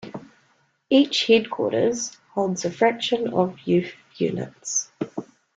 Each headquarters hold a fraction of Youth Units.